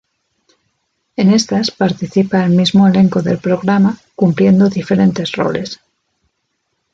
En estas participa el mismo elenco del programa, cumpliendo diferentes roles.